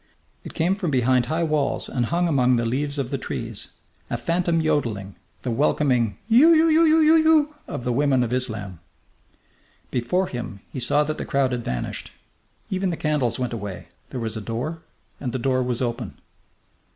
It came from behind high walls and hung among the leaves of the trees, a phantom yodeling, the welcoming "you you you you" of the women of Islam. Before him he saw that the crowd had vanished. Even the candles went away. There was a door, and the door was open.